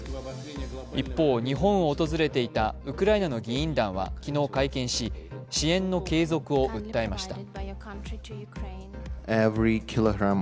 一方、日本を訪れていたウクライナの議員団は昨日会見し、支援の継続を訴えました。